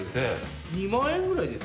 ２万円ぐらいです。